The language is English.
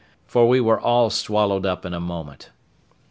for we were all swallowed up in a moment.